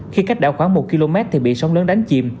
khi cách đảo khoảng một km thì bị sóng lớn đánh chìm